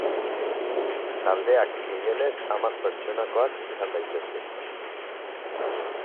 Taldeak gehienez hamar pertsonakoak izan daitezke.